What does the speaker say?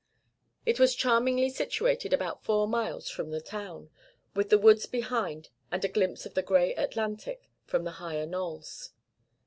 It was charmingly situated about four miles from the town, with the woods behind and a glimpse of the grey Atlantic from the higher knolls.